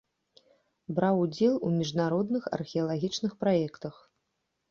Браў удзел у міжнародных археалагічных праектах.